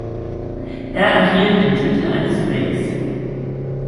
Er erhielt den Titel eines Beys.